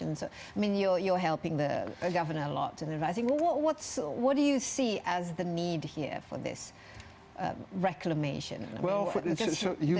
anda membantu pemerintah banyak apa yang anda lihat sebagai kebutuhan di sini untuk reklamasi ini